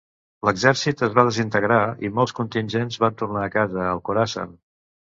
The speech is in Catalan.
L'exèrcit es va desintegrar i molts contingents van tornar a casa al Khorasan.